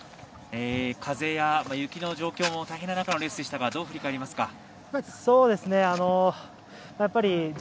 風や雪の状況も大変な中のレースでしたがどう振り返りますか。